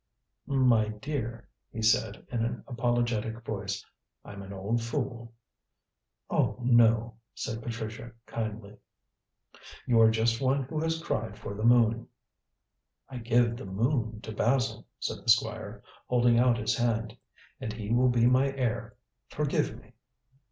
"My dear," he said, in an apologetic voice, "I'm an old fool." "Oh, no," said Patricia kindly; "you are just one who has cried for the moon." "I give the moon to Basil," said the Squire, holding out his hand. "And he will be my heir. Forgive me."